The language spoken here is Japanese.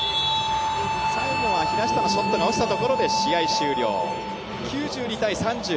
最後は、平下のショットが落ちたところで試合終了、９２−３０。